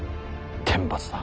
天罰だ。